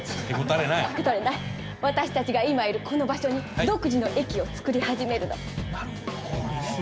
私たちが今いるこの場所に独自の駅を造り始めるの。